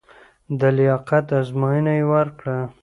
د لیاقت ازموینه یې ورکړه.